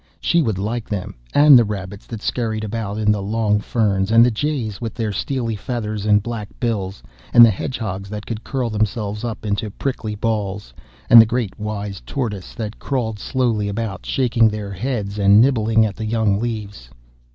She would like them, and the rabbits that scurried about in the long fern, and the jays with their steely feathers and black bills, and the hedgehogs that could curl themselves up into prickly balls, and the great wise tortoises that crawled slowly about, shaking their heads and nibbling at the young leaves.